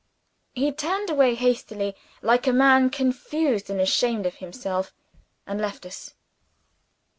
He turned away hastily, like a man confused and ashamed of himself and left us.